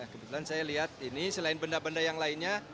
kebetulan saya lihat ini selain benda benda yang lainnya